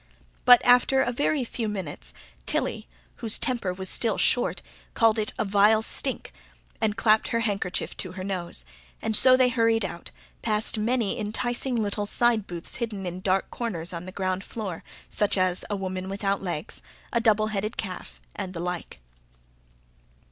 But after a very few minutes Tilly, whose temper was still short, called it a "vile stink" and clapped her handkerchief to her nose, and so they hurried out, past many enticing little side booths hidden in dark corners on the ground floor, such as a woman without legs, a double headed calf, and the like.